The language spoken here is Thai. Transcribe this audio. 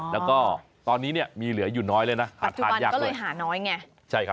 แล้วก็ตอนนี้มีเหลืออยู่น้อยเลยนะหาทานยากเลยหาน้อยไง